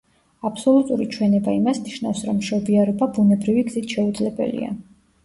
აბსოლუტური ჩვენება იმას ნიშნავს, რომ მშობიარობა ბუნებრივი გზით შეუძლებელია.